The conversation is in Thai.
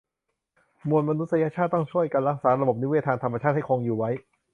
มวลมนุษยชาติต้องช่วยกันรักษาระบบนิเวศทางธรรมชาติให้คงอยู่ไว้